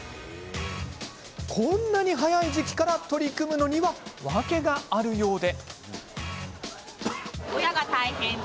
こんなに早い時期から取り組むのには訳があるようで。